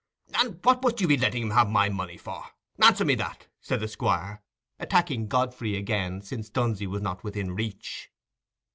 "And what must you be letting him have my money for? Answer me that," said the Squire, attacking Godfrey again, since Dunsey was not within reach.